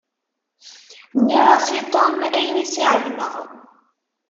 Nniɣ-as i Tom ayen iss i εelmeɣ.